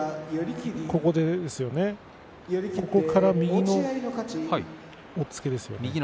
ここから右の押っつけですよね。